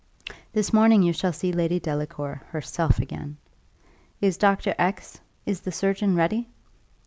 This morning you shall see Lady Delacour herself again. Is Dr. X , is the surgeon ready?